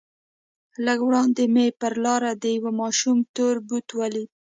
لږ وړاندې مې پر لاره د يوه ماشوم تور بوټ ولېد.